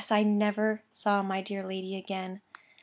I never saw my dear lady again.